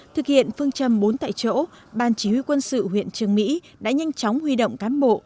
thực hiện phương châm bốn tại chỗ ban chỉ huy quân sự huyện trường mỹ đã nhanh chóng huy động cán bộ